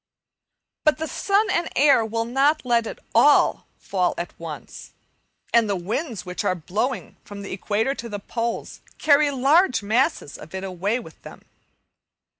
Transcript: But the sun and air will not let it all fall down at once, and the winds which are blowing from the equator to the poles carry large masses of it away with them.